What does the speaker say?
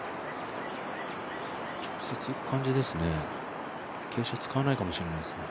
直接いく感じですね、傾斜使わないかもしれないですね。